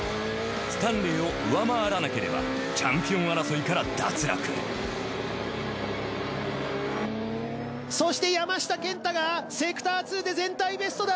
スタンレーを上回らなければチャンピオン争いから脱落そして山下健太がセクター２で全体ベストだ。